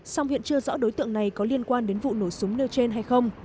song hiện chưa rõ đối tượng này có liên quan đến vụ nổ súng nêu trên hay không